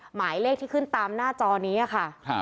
หมายเลขที่ขึ้นตามหน้าจอนี้ค่ะ